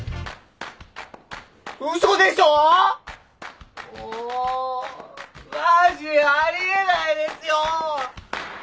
嘘でしょ！？もマジあり得ないですよ！